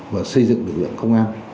và xây dựng lực lượng công an